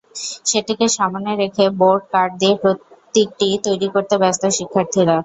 সেটিকে সামনে রেখে বোর্ড, কাঠ দিয়ে প্রতীকটি তৈরি করতে ব্যস্ত শিক্ষার্থীরা।